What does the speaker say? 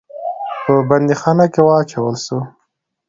په بندیخانه کې واچول سو.